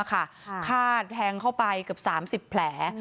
ฆ่าแทงเข้าไปเกือบ๓๐แผล